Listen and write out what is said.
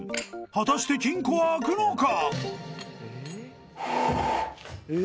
［果たして金庫は開くのか？］